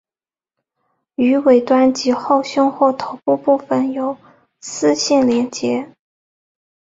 于尾端及后胸或头部分别有丝线连结。